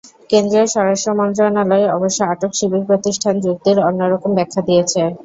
কেন্দ্রীয় স্বরাষ্ট্র মন্ত্রণালয় অবশ্য আটক শিবির প্রতিষ্ঠান যুক্তির অন্য রকম ব্যাখ্যা দিয়েছে।